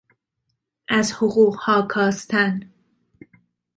از حقوقها کاستن